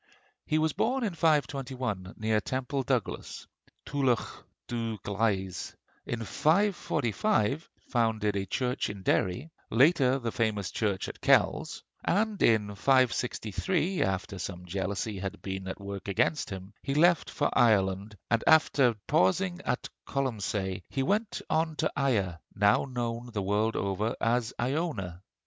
He was born in 521, near Temple Douglas (Tulach Dubh glaise); in 545 founded a church in Derry; later, the famous church at Kells; and in 563, after some jealousy had been at work against him, he left for Ireland, and after pausing at Colonsay, he went on to Ia, now known the world over as Iona.